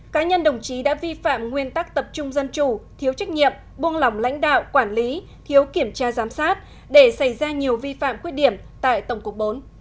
cá nhân đồng chí đã vi phạm nguyên tắc tập trung dân chủ thiếu trách nhiệm buông lỏng lãnh đạo quản lý thiếu kiểm tra giám sát để xảy ra nhiều vi phạm khuyết điểm tại tổng cục bốn